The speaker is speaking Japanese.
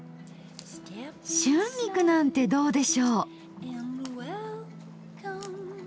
春菊なんてどうでしょう？